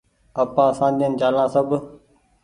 آپآن سآجين چآليا سب